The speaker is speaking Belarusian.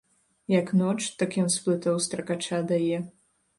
Як ноч, так ён з плытоў стракача дае.